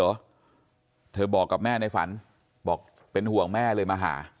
เธอบอกกับแม่ในฝันบอกเป็นห่วงแม่เลยมาหา